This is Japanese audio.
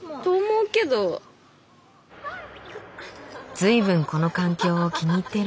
随分この環境を気に入ってるみたい。